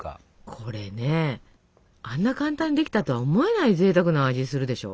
これねあんな簡単にできたとは思えないぜいたくな味するでしょ？